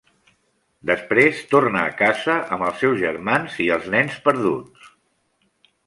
Després torna a casa amb els seus germans i els Nens Perduts.